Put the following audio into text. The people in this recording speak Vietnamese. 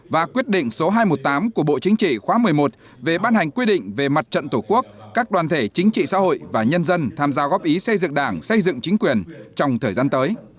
và quyết định số hai trăm một mươi tám của bộ chính trị khóa một mươi một về ban hành quy định về mặt trận tổ quốc các đoàn thể chính trị xã hội và nhân dân tham gia góp ý xây dựng đảng xây dựng chính quyền trong thời gian tới